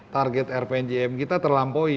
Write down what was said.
target rpjm kita terlampaui